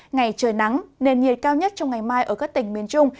ngày trời nắng nền nhiệt cao nhất trong ngày mai ở các tỉnh miền trung